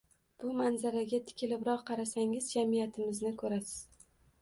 Bu manzaraga tikilibroq qarasangiz jamiyatimizni ko‘rasiz...